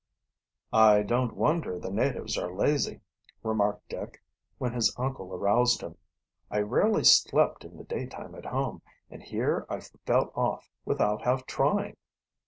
"I don't wonder the natives are lazy," remarked Dick, when his uncle aroused him. "I rarely slept in the daytime at home, and here I fell off without half trying."